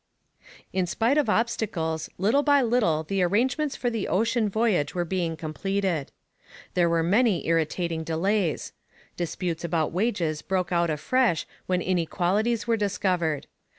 In spite of obstacles, little by little the arrangements for the ocean voyage were being completed. There were many irritating delays. Disputes about wages broke out afresh when inequalities were discovered.